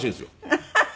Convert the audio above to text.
ハハハハ。